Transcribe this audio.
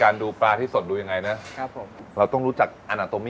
นี่นะฮะ